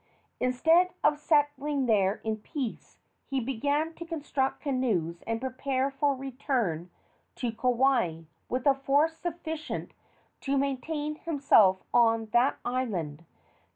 Instead of settling there in peace, he began to construct canoes and prepare for a return to Kauai with a force sufficient to maintain himself on that island.